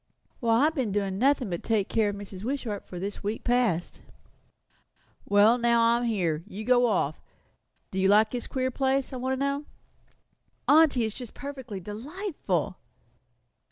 "Why, I've been doing nothing but take care of Mrs. Wishart for this week past." "Well, now I'm here. You go off. Do you like this queer place, I want to know?" "Aunty, it is just perfectly delightful!"